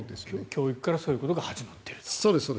教育からそういうことが始まっていると。